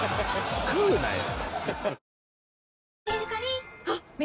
食うなよ。